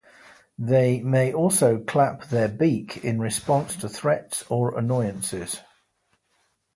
They may also clap their beak in response to threats or annoyances.